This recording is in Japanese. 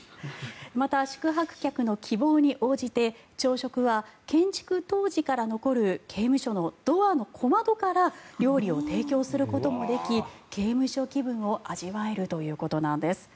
また、宿泊客の希望に応じて朝食は、建築当時から残る刑務所のドアの小窓から料理を提供することもでき刑務所気分を味わえるということなんです。